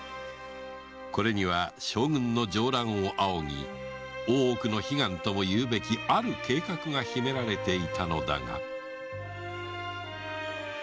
これには将軍の上覧を仰ぎ大奥の悲願ともいうべきある計画が秘められていたのだが